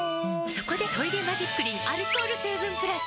そこで「トイレマジックリン」アルコール成分プラス！